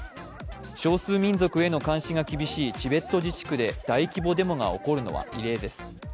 少数民族への監視が厳しいチベット自治区で大規模デモが起こるのは異例です。